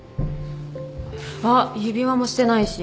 あっ指輪もしてないし。